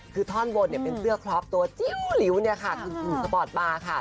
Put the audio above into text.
คือท่อนบนเป็นเสื้อคลอปตัวจิ้วคือสปอร์ตบาร์